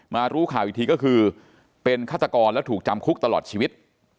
รู้ข่าวอีกทีก็คือเป็นฆาตกรแล้วถูกจำคุกตลอดชีวิต